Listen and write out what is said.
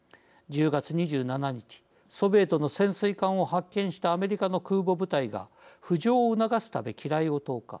１０月２７日ソビエトの潜水艦を発見したアメリカの空母部隊が浮上を促すため機雷を投下。